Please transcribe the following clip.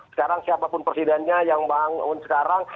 sekarang siapapun presidennya yang bangun sekarang